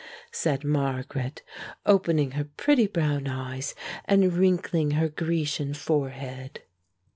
said Margaret, opening her pretty brown eyes and wrinkling her Grecian forehead.